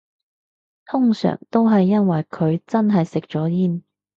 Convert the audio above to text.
通常都係因為佢真係食咗煙